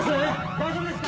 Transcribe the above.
大丈夫ですか！？